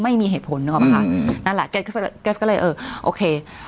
อยู่ที่ไม่มีเหตุผลนึกออกไหมคะนั่นแหละแก๊สก็เลยเออโอเค